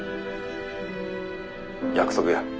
約束や。